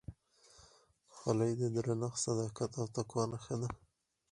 خولۍ د درنښت، صداقت او تقوا نښه ده.